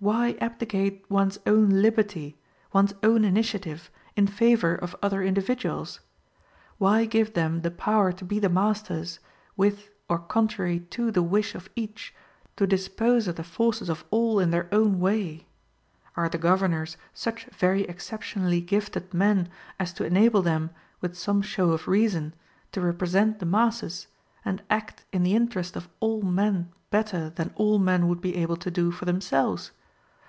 Why abdicate one's own liberty, one's own initiative in favor of other individuals? Why give them the power to be the masters, with or contrary to the wish of each, to dispose of the forces of all in their own way? Are the governors such very exceptionally gifted men as to enable them, with some show of reason, to represent the masses, and act in the interest of all men better than all men would be able to do for themselves?